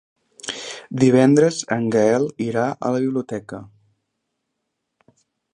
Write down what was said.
Divendres en Gaël irà a la biblioteca.